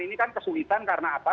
ini kan kesulitan karena apa